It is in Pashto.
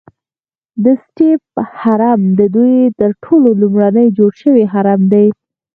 د سټیپ هرم ددوی تر ټولو لومړنی جوړ شوی هرم دی.